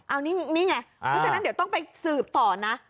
เอานี่ไงเพราะฉะนั้นเดี๋ยวต้องไปสืบต่อนะ